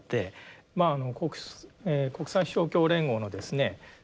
まあ国際勝共連合のですね